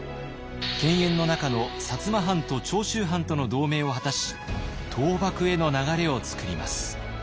犬猿の仲の摩藩と長州藩との同盟を果たし倒幕への流れをつくります。